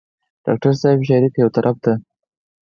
د ډاکټر صېب شاعري کۀ يو طرف ته